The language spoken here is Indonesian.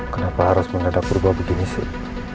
kenapa harus menghadap berubah begini sih